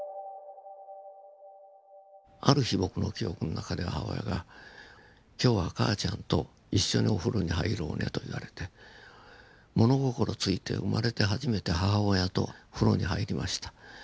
ある日僕の記憶の中で母親が「今日は母ちゃんと一緒にお風呂に入ろうね」と言われて物心付いて生まれて初めて母親と風呂に入りました。